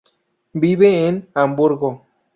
Vive en Hamburgo.